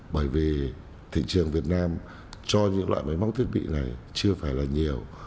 bởi vì thị trường việt nam cho những loại máy móc thiết bị này chưa phải là nhiều